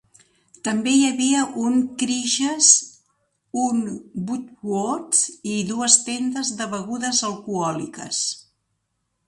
També hi havia un Kresge's, un Woolworth's i dues tendes de begudes alcohòliques.